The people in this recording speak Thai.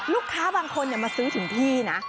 ลูกค้าบางคนมาซื้อถึงที่นะ